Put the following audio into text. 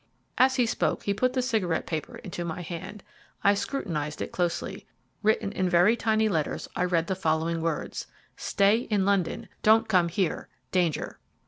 As he spoke he put the cigarette paper into my hand. I scrutinized it closely. Written in very tiny letters I read the following words: "Stay in London. Don't come here. Danger."